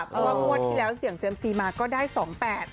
เพราะว่าวันที่แล้วเสี่ยงเซียมซีมาก็ได้สองแปด